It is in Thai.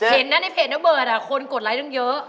เห็นนะในเพจนับเบิร์ดอ่ะคนกดไลค์ต้องเยอะ